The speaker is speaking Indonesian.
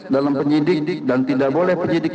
dalam penyidik dan tidak boleh penyidik